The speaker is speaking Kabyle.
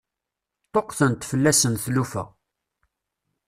Ṭṭuqqtent fell-asen tlufa.